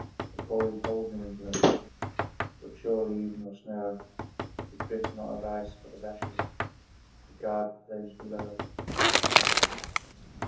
They call you cold New England But surely even your snow Is drift not of ice but of ashes, To guard the flames below!